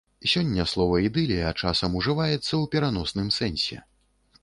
Сёння слова ідылія часам ужываецца ў пераносным сэнсе.